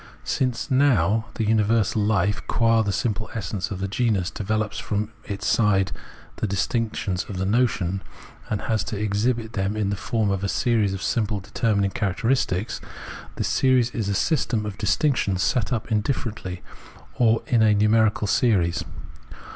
Since, now, the universal Hfe qua the simple essence of the genus develops from its side the distinctions of the notion, and has to exhibit them in the form of a series of simple determining characteristics, this series is a system of distinctions set up indifferently, or is a numerical series.